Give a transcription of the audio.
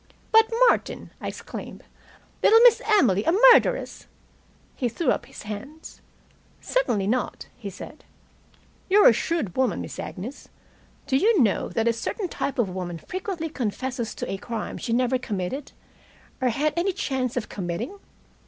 "But, Martin!" I exclaimed. "Little Miss Emily a murderess." He threw up his hands. "Certainly not," he said. "You're a shrewd woman, Miss Agnes. Do you know that a certain type of woman frequently confesses to a crime she never committed, or had any chance of committing?